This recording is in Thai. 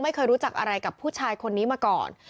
ไม่เคยรู้จักอะไรกับผู้ชายคนนี้มาก่อน